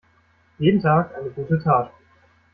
Jeden Tag eine gute Tat.